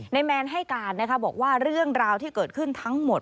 แมนให้การนะคะบอกว่าเรื่องราวที่เกิดขึ้นทั้งหมด